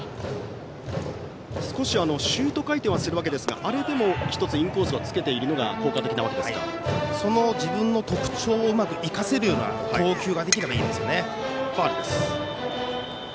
シュート回転はするわけですがあれでもインコースはつけているのがその自分の特徴をうまく生かせるような投球ができればいいですね。